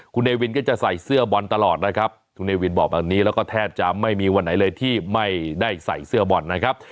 คุณเนวินก็จะใส่เสื้อบอลตลอดนะครับคุณเนวินบอกแบบนี้แล้วก็แทบจะไม่มีวันไหนเลยที่ไม่ได้ใส่เสื้อบอลนะครับ